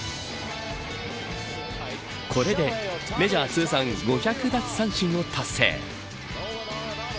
これでメジャー通算５００奪三振を達成。